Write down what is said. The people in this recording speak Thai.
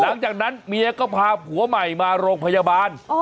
หลังจากนั้นเมียก็พาผัวใหม่มาโรงพยาบาล